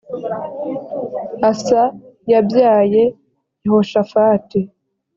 asa yabyaye yehoshafati